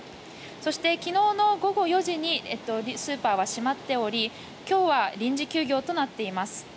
そして、昨日の午後４時にスーパーは閉まっており今日は臨時休業となっています。